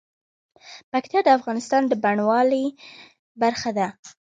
پکتیا د افغانستان د بڼوالۍ برخه ده.